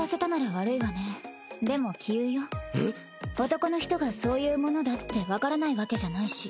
男の人がそういうものだって分からないわけじゃないし。